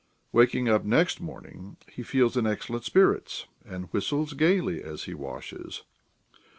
Waking up next morning, he feels in excellent spirits, and whistles gaily as he washes.